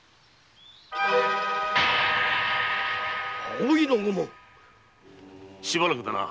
葵の御紋⁉しばらくだな。